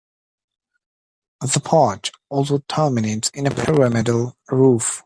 The porch also terminates in a pyramidal roof.